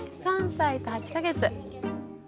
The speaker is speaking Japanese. ３歳と８か月。